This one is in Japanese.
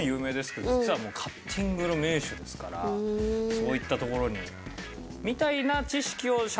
そういったところに。